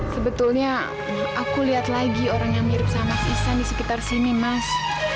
sebetulnya aku lihat lagi orang yang mirip sama sisan di sekitar sini mas